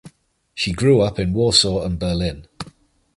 She grew up in Warsaw and Berlin.